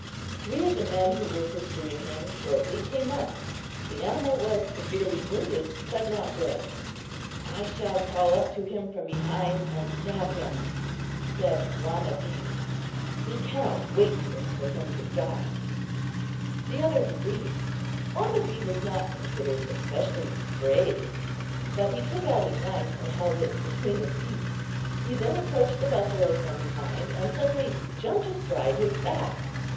Three of the men who were pursuing him shortly came up. The animal was severely wounded, but not dead. "I shall crawl up to him from behind and stab him," said Wamedee; "we cannot wait here for him to die." The others agreed. Wamedee was not considered especially brave; but he took out his knife and held it between his teeth. He then approached the buffalo from behind and suddenly jumped astride his back.